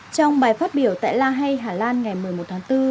trong bài phát biểu tại la hay hà lan ngày một mươi một tháng bốn